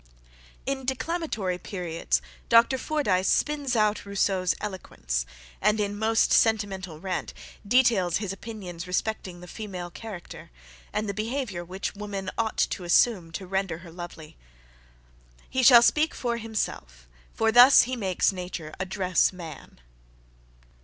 In declamatory periods Dr. Fordyce spins out Rousseau's eloquence; and in most sentimental rant, details his opinions respecting the female character, and the behaviour which woman ought to assume to render her lovely. He shall speak for himself, for thus he makes nature address man.